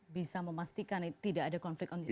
bisa memastikan tidak ada conflict of interest